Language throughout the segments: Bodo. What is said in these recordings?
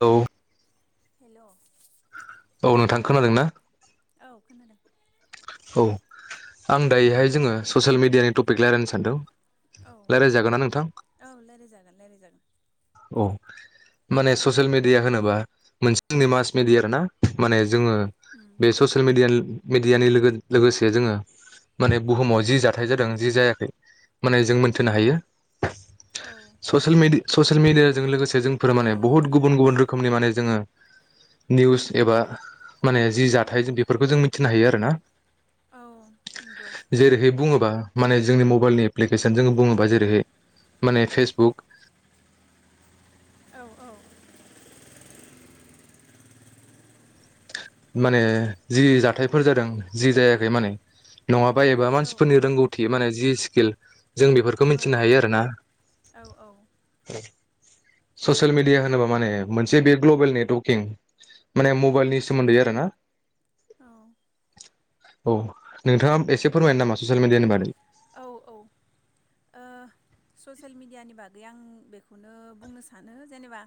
औ हेलौ औ नोंथां खोनादों ना? खोनादों औ आं दायोहाय जोङो ससियेल मिडियानि टप क रायलायनो सानदों औ रायलाय जागोन ना नोंथां? रायलायजागोन रायलायजागोन अ माने ससियेल मिडिया होनोबा मोनसे जोंनि मास मिडिया आरो ना माने जोङो उम बे ससियेल मेडिया मेडियानि लोगो लोगोसे जोङो माने बुहुमाव जि जाथाय जादों जि जायाखै माने जों मोन्थिनो हायो। औ ससियेल मिडि ससियेल मिडियाजों लोगोसे जोंफोर माने बुहुत गुबुन गुबुन रोखोमनि माने जोङो निउस एबा माने जि जाथाय बेफोरखौ जों मिथिनो हायो आरो ना। औ नंगौ जेरैहाय बुङोबा माने जोंनि मबाइलनि एप्लिकेसन जों बुङोबा जेरैहाय माने फेसबुक औ औ [inaudible] माने जि जाथायफोर जादों जि जायाखै माने नङाब बायोबा औ मानसिफोरनि रोंगौथि माने जिस किल जों बेफोरखौ औ मिथिनो हायो आरो ना औ औ ससियेल मिडिया होनोबा माने मोनसे बे ग्लबेल नेटवर्किं माने मबाइलनि सोमोनन्दै आरो ना औ औ नोंथाङा एसे फोरमायनो नामा ससियेल मिडियानि बारै? औ औ ओ ससियेल मिडियानि बागै आं बेखौनो बुंनो सानो जेनेबा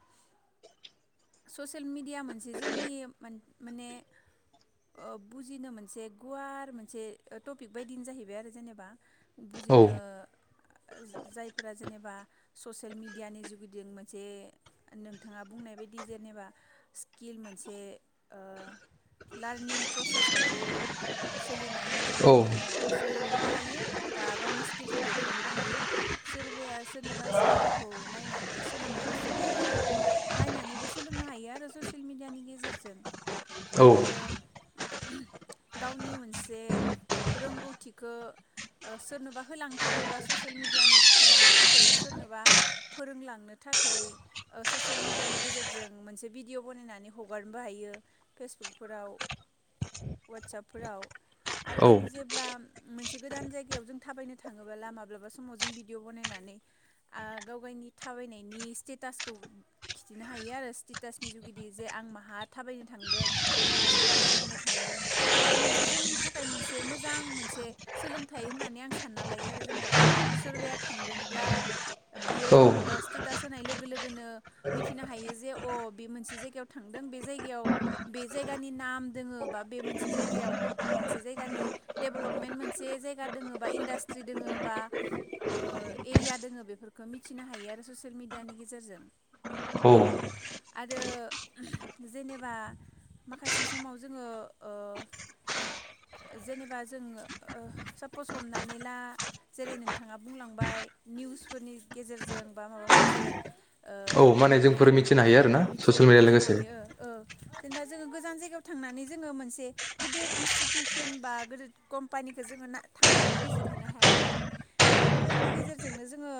ससियेल मिडिया मोनसे जोंनि माने माने ओ बुजिनो मोनसे गुवार मोनसे टपिक बायदिनो जाहैबाय आरो जेनेबा औ बुजिनो ओ जायफोरा जेनेबा ससियेल मिडियानि जुगिदों मोनसे नोंथाङा बुंनाय बायदि दि जेनेबा स्किल मोनसे ओ लार्निं प्रसेसआवबो सोलिनायहै औ माने सोलोंनोबो हायो बा गावनि स्किलखौ देखायनोबो हायो सोरबाया सोरनिबा स्किलखौ नायनानै सोलोंनो गोसोबाला नायनानै सोलोंनो हायो आरो ससियेल मिडियानि गेजेरजों औ आरो गावनि मोनसे रोंगौथिखो सोरनोबा होलांनो थाखाय बा ससियेल मिडियानो खिथिलांनो थाखाय सोरनोबा फोरोंलांनो थाखाय ओ ससियेल मिडियानि गेजेर जों मोनसे भिडिअ' बनायनानै हगारनोबो हायो फेसबुकफोराव वाटसापफोराव आरो जों औ जेब्ला मोनसे गोदान जायगायाव जों थाबायनो थाङोब्ला माब्लाबा समाव जों भिडिअ' बनायनानै आ गावगायनि थाबायनायनि स्टेटासखौ खिन्थिनो हा हायो आरो स्टेटासनि जुगिदि जे आं माहा थाबायनो थांदों मा जायगाखौ नायनो थांदों बेबो मोनसे जोंनि थाखाय मोनसे मोजां मोनसे सोलोंथाइ होननानै आं सानना लायो आरो जेनेबा सोरबाया थांदोंब्ला बियो औ ओ स्टेटास होनाय लोगो लोगोनो मिथ थिनो हायो जे अ बे मोनसे जायगायाव थांदों बे जायगायाव बे जायगानि नाम दोङो बा बे मोनसे जायगायाव मोनसे जायगानि डेभलपमेन्ट मोनसे जायगा दोङो बा इन्डास्ट्रि दोङो बा ओ एरिया दोङो बेफोरखौ मिथिनो हायो आरो ससियेल मिडियानि गेजेरजों औ आरो जेनेबा माखासे समाव जोङो ओ जेनेबा जों ओ सापस हमनानै ला जेरै नोंथाङा बुंलांबाय निउसफोरनि गेजेरजों बा माबा मोनसे औ ओ माने जोंफोर मिथिनो हायो ओ आरोना मिथिनो ससिल मिडिया मिथिनो लोगोसे हायो ओ जेनेबा जोङो गोजान जायगायाव थांनानै जोङो मोनसे गोदोर इनस्टिटिउसन बा गोदोर कम्पानिखौ ना जोङो थांनानै बिजिर हैैनो हाया नालाय मफ्राय मबाइलनि गेजेरजोंनो जोङो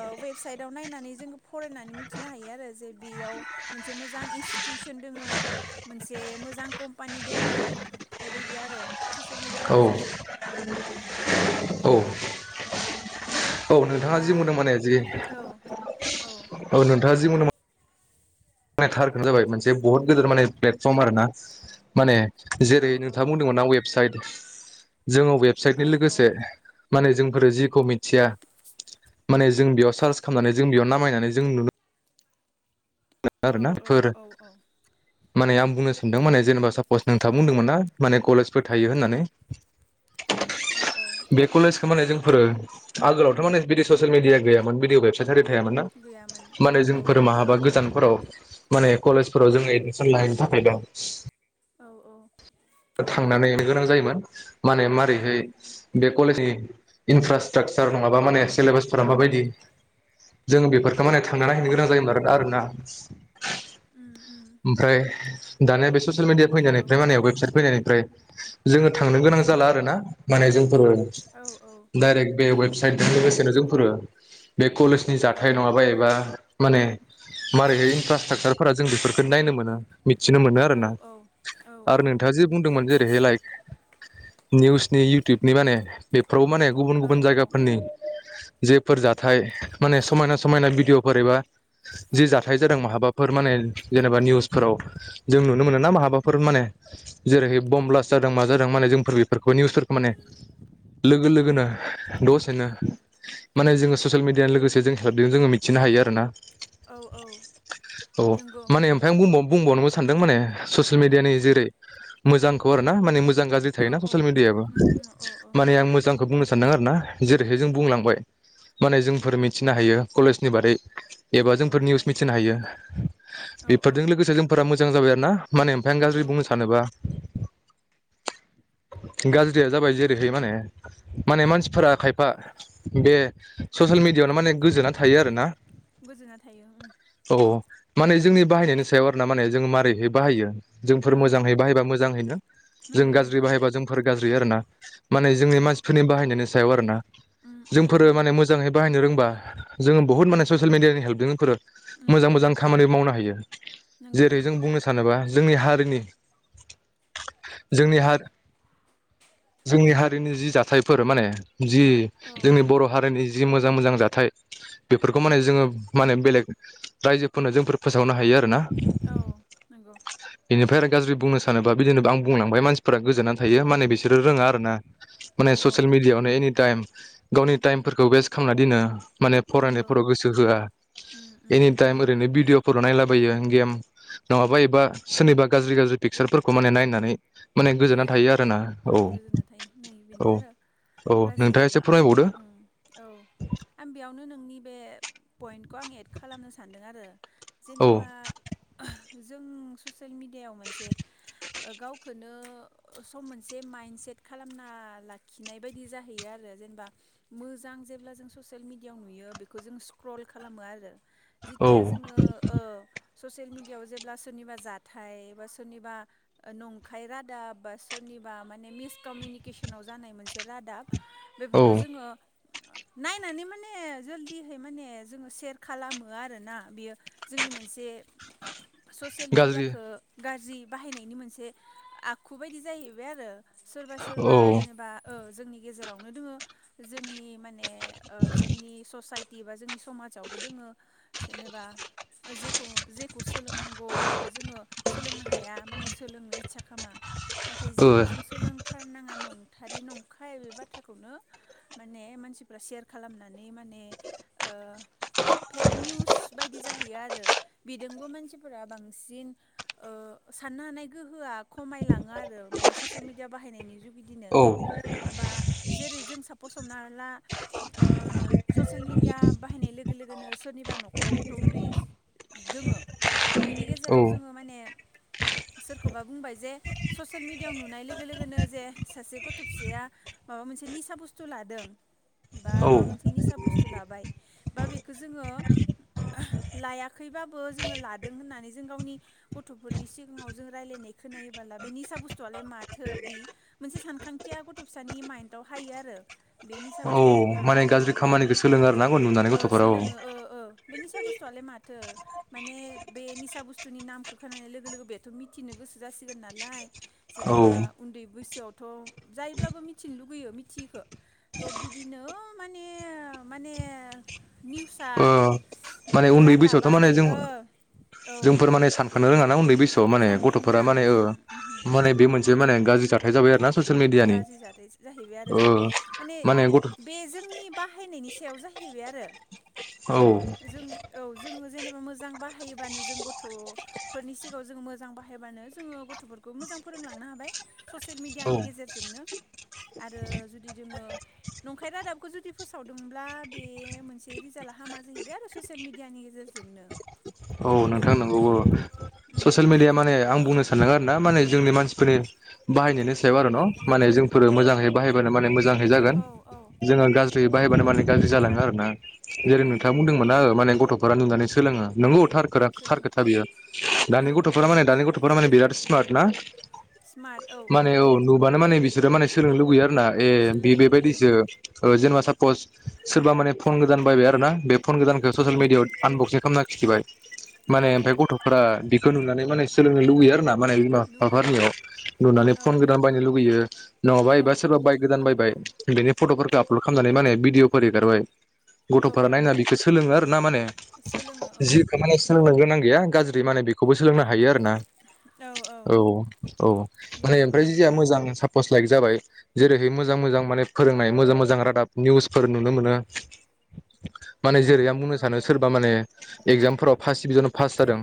ओ वेबसाइटआव नायनानै जोङो फरायनानै मिथ मिथिनो हायो आरो जे बेयाव मोनसे मोजां इनसटिउसन दोङो मोनसे मोजां कम्पानि दोङो बेबायदि आरो ससेेल मेडियानि औ गेजेरजों। औ औ नोंथाङा दा जि मोनदों माने जि औ औ नोंथाङा जि मोनदों [unintelligible] थारकोनो जाबाय मोनसे बुहुत गोदोर माने प्लेटफर्म आरो ना माने औ जेरै नोंथाङा बुंदोंमोनना वेबसाइट [inaudible] जोंङो औ वेबसाइटनि लोगोसे माने जोंफोरो जिखौ मिथिया माने जों बेयाव सार्च खालामनानै जों बेयाव नामायनानै जों नुनो मोनो औ आरोना फोर औ माने आं बुंनो सा नदों माने जेनेबा सा फस नोंथाब बुंदोंमोन ना माने कलेजफोर थायो होननानै औ औ बे कलेजखौ माने जों आगोलावथ' माने बिदि ससेल मिडया गैयामोन बिदि वेबसाइट आरि थायामोन ना गैयामोन औ माने औ जोंफोर माहाबा गोजानफोराव माने कलेजफोराव जों‌ एडमिसन लाहैनो थाखायल' औ औ थांनानैनो लानो गोनां जायोमोन माने मारैहाय बे कलेजनि इनफ्रा स्टाकसार नङाबा माने सिलेबासफोरा माबायदि जों बेफोर थारमाने थांना उम नाहैनो उम गोनां जायोमोन उम आरोना आरोना उम उम ओमफ्राय दानिया बे ससेल मिडिया फैनानै नंगौ बे माने वेबसाइट ओमफ्राय जोङो थांनो गोनां जाला आरोना माने जों औ औ डाइरेक्ट बे वेबसाइटजों लोगोसेनो जों फोरो बे कलेजनि औ जाथाय नङाबा एबा माने मारै इनफ्रास्ट्राकसारफोरा जों बेफोर नायनो मोन। मिथिनो मोनो आरो औ ना औ आरो नों बुंदोंमोन जेरैहाय लाय निउसनि, इउटुबनि माने बे फोराव माने औ गुबुन-गुबुन जायगाफोरनि जेफोर जाथाय माने समायना समायना भिडिअफोर एबा औ जि जाथाय जादों माहाबाफोर माने जेनेबा निउसफोराव जों नुनो मोनो ना माहाबाफोर माने जेरैहाय बम ब्लास्ट जादों मा जादों माने जोंफोर बेफोरखौ निउसफोरखौ माने लोगो लोगोनो, दसेनो माने जोङो ससेल मिडियानो लोगोसे जों जोङो मिथिनो हायो आरोना। औ औ औ नंगौ माने ओमफाय आं बुंबाव बुंबावनोबो सानदों माने ससेल औ औ मिडियानि जेरै मोजांख खौ आरोना माने मोजां गाज्रि औ थायोना ससियेल मिडियाबो उम उम औ औ माने आं मोजां खौ बुंनो सानदों आरो ना जेरैहाय जों बुंलांबाय माने जोंफोर मिथिनो हायो कलेजनि बारै एबा औ जोंफोर निउस मिथिनो हायो औ बेफोरजों औ लोगोसे जोंफोरा मो मोजां जाबाय आरो ना। माने ओमफ्राइ आं गाज्रि औ बुंनो गाज्रिया जाबाय जेरैहाय माने माने मानसिफोरा खायफा बे ससियेल मिडियाआवनो माने गोजोना थायो आरोना गोजोना थायो उम औ। माने जोंनि बाहायनायनि सायाव आर ना माने जों मारैहाय बाहायो। जोंफोर नंगौ मोजांयै बाहायबा मोजांहैनो जों नंगौ गाज्रि नंगौ बाहायबा जोंफोर गाज्रि आरो उम ना माने जोंनि औ मानसिफोरनि बाहायनायनि सायाव आरो ना उम उम जोंफोर उम माने मोजांहै बाहायनो रों बा जोङो बुहत माने ससियेल मिडियानि हेल्पजों उम मोजां मोजां खामानि मावनो हायो। नंगौ जेरै जों नंगौ बुंनो सानोबा जोंनि हारिनि जोंनि हा जोंनि हारिनि जि जाथायफोर माने औ औ नंगौ बेनिफ्राय गाज्रि बुंनो सानोबा बिदि होननोबो आं बुंलांबाय मानसिफोरा गोजावनानै थायो माने बेस बिसोरो रोङा आरो ना माने औ औ ससियेल मिडियाआवनो एनि टाइम गावनि टाइमफोरखौ वेस्ट खालामना दोनो माने नंगौ फरायनायफोराव गोसो होआ उम उम एनिटाइम नंगौ ओरैनो भिडिअफोराव नायलाबो गेम नङाबा एबा सोरनिबा गाज्रि गाज्रि पिकसारफोरखौ माने नायनानै माने गोजोनना नायनानै थायो आरोना औ ओम गोजोना थायो नै बेनो औ आरो औ नोंथाङा एसे गाज्रियाबा आंबो फोरमायबावदो ओम औ आं बेयावनो नोंनि बे पइन्टखौ आं एड खालामनो सानदों आरो औ जेनेबा जों ससियेल मिडियाव मोनसे गावखौ नो सम मोनसे माइन्डसेट खालामना लाखिनाय बायदि जाहैयो आरो जेनेबा मोजां जेब्ला जों ससियेल मिेडियाआव नुयो बेखौ जों स्क्रल खालामो आरो औ जिथिया जोङो ओ ससियेल मिडियायाव जेब्ला सोरनिबा जाथाय बा सोरनिबा नं खाय रादाब बा सोरनिबा माने मिसकमिउनिकेसनाव जानाय मोनसे रादाब औ बेफोरखौ जोङो नायनानै माने जल्दिहै माने जोङो सेयार खालामो आरोना बेयो जोंनि मोनसे ससियेल गाज्रि मिडियाखौ गाज्रि जि बाहायनायनि मोनसे आखु बायदि जाहैबाय आरो सोरबा औ सोरबा ओ जेनेबा ओ जोंनि गेजेरावनो दोङो जोंनि माने ओ जोंनि ससाइटि बा जोंनि समाजावबो दोङो जेनेबा जेखौ जेखौ सोलोंनांगौ बेखौ जोङो सोलोंनो हाया माने सोलोंनो आसा खालामा नाथाय औ जेखौ जों सोलोंथारनाङा नंथारै नंखाय बे बाथ्रा खौनो माने मानसिफ्रा सेयार खालामनानै माने ओह फेक निउस बायदि जाहैयो आरो बिजों मानसिफोरा बांसिन ओह साननो हानाय गो खमायलाङो आरो माने ससेयेल मिडिया बाहायनायनि जुग बिदिनो औ बा जेरै जों साफस हमना ओह ससेयल मिडिया बाहायनाय लोगो लोगोनो सोरनिबा न'खराव गथ' उन्दै दोङो बिनि गेजेराव जोङो माने सोरखौबा बुंबाय जे ससेयेल मिडियाआव नुनाय लोगो लोगोनो जे सासे गथ' फिसाया माबा मोनसे निसा बुस्थु लादों बा औ माबा मोनसे निसा बुस्थु लाबाय बा बेखौ जोङो लायाखैबाबो जोङो लादों होननानै जों गावनि गथ'फोरनि सिगाङाव जों रायजलायनाय खोननायोबोला बे निसा बुस्थुआलाय माथो बे मोनसे सानखांथिया गथ' फिसानि माइन्दाव हायो आरो बे निसा बुस्थु औ माने गाज्रि खामानिखौ सोलोङो आरो ना नुनानै ओ गथ'फोरा औ सोलोङो ओ ओ बे निसा बुस्थुआलाय माथो माने बे निसा बुस्थुनि नामखौ खोनानाय लोगो लोगो बेथ' मिथिनो गोसो जासिगोन नालाय औ जेनेबा ओ उन्दै बैसोआवथ' जायब्लाबो मिथिनो लुगैयो मिथियैखो थ बिदिनो माने माने निउसआ माने उन्दै बैसोआवथ' रादाबा माने जों ओ औ जोंफोर माने सानखानो रोङा। ना उन्दै बैसो। माने सानखोनो गथ'फोरा रोङा माने ओ ओमहो ओमहो बे मोनसे माने गाज्रि जाथाय जाबाय आरो ससेल गाज्रि जाथाय जाहैबाय आरो माने बे जोंनि बा। बाहायनायनि सायाव जाहैबाय आरो। औ जों औ जोङो। जेनेबा मोजां बाहायोबानो जों गथ'फोरनि सिगाङाव जों मोजां बाहायबानो जोङो गथ'फोरखौ मोजां फोरोंलांनो हाबाय। ससेल औ मिडियानि जोंनो आरो जुदि जोङो नंखाय रादाबखौ जुदि फोसावदोंब्ला बे मोनसे रिजाल्टआ हामा जाहैबाय आरो ससियेल मिडियानि गेजेरजोंनो। औ बिदि नोंथां नंगौबो उम ससियेल उम मिडिया माने आं बुंनो सानदों आरो ना माने जोंनि मानसिफोरनि बाहायनायनि सायाव आरो न' माने जोंफोरो मोजांङै बाहायबानो माने मोजांङै जागोन औ औ जोङो गाज्रियै बाहायबानो माने गाज्रि जालाङो आरो ना। जेरै जालाङो नोंथाङा औ बुंदोंमोन औ ओह माने गथ' नुनानै माने सोलोङो। थार सोलोङो खोथा बियो औ दानि औ गथ'फोरा माने द गथ'फोरा माने बिराद सुवात ना माने औ नुबानो माने बिसोरो माने सोलोंनो लुबैयो। ना ए सोलों लुगैयो बेबायदिसो। जेनेबा सापस सोरबा माने फन गोदान बायबाय आरो ना? बे फन गोदानखौ औ ससियेल मिडिआव आनबक्सिं खालाम खिथिबाय [inaudible] औ माने ओमफाय गथ'फोरा नुनानै मान सोंनो लुबैयो आरो ना माने बिमा लुगैयो बिफाफोरनियाव नुनानै औ फन गोदान बायनो लुगैयो नङाबा औ एबा औ सोरबा बाइक गोदान बायबाय। बेनि फट'फोरखौ आपल'ड खालामनानै माने भिडिअफोर एगारबाय। औ गथ'फोरा औ नायना बिखौ सोलोङो आरो ना माने सोलोङो औ जि माने सोलोंनो नंगौ गोनां गैया। गाज्रि माने बि। खौबो सोलोंनो हायो आरोना औ औ माने बेनो औ ओमफ्राय जोंहा मोजां सापस लाइक जाबाय जे ओेरै मोजां मोजां माने फोरोंनाय मोजां मोजां रादाब निउसफोर नुनो मोनो माने औ जेरै आं बुंनो सानो औ सोरबा माने एग्जामफोराव फार्स्ट डिभिजनाव पास जादों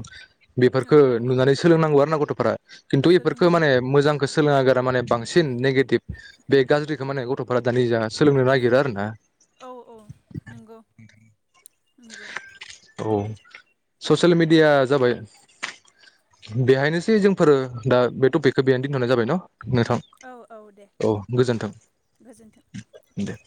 औ बेफोरखौ औ नुनानै सोलोंनांगौ आरो ग फोरा खिन्थु बेफोरखौ माने सोलोंनांगौ मोजांखौ सोलोङा गा माने बांसिन नेगेटिभ बे गाज्रिखौ माने गथ'फोरा दानि सोलोंनो नागिरो आरो ना औ औ नंगौ नंगौ औ ससियेल मिडिया जाबाय बेहायनोसै जोंफोरो दा बे टपिकखौ बेहायनो दोनथ'नाय जाबाय न नोंथां औ औ दे दे औ गोजोन्थों गोजोन्थों दे